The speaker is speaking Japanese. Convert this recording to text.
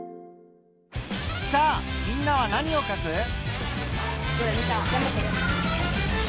さあみんなは何をかく？